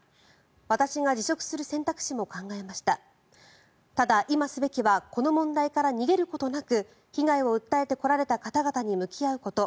私が辞職する選択肢も考えましたただ今すべきはこの問題から逃げることなく被害を訴えてこられた方々に向き合うこと